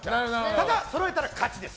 ただ、そろえたら勝ちです。